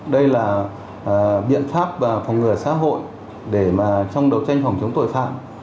đây là biện pháp và phòng ngừa xã hội để mà trong đầu tranh phòng chống tội phạm